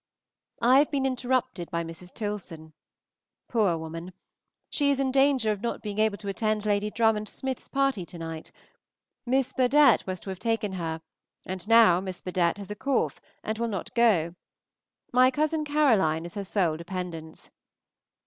I have been interrupted by Mrs. Tilson. Poor woman! She is in danger of not being able to attend Lady Drummond Smith's party to night. Miss Burdett was to have taken her, and now Miss Burdett has a cough and will not go. My cousin Caroline is her sole dependence.